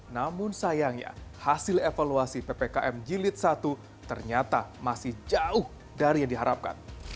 namun sayangnya hasil evaluasi ppkm jilid satu ternyata masih jauh dari yang diharapkan